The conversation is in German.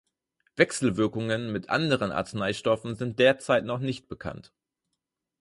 Wechselwirkungen mit anderen Arzneistoffen sind derzeit noch nicht bekannt.